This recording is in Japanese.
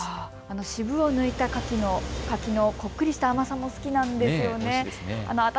渋を抜いた柿のこっくりした甘さも好きなんですよね。